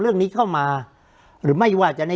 คุณลำซีมัน